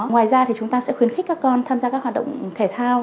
ngoài ra thì chúng ta sẽ khuyến khích các con tham gia các hoạt động thể thao